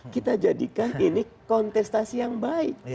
kita jadikan ini kontestasi yang baik